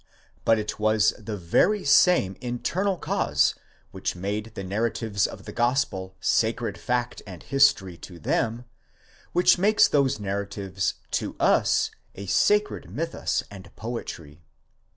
But it was the very same internal cause which made the narratives of the gospel sacred fact and history to them, which makes those narratives to us a sacred mythus and poetry.